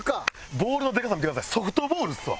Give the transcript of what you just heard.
ボールのでかさ見てくださいソフトボールですわ。